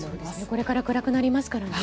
これから暗くなりますからね。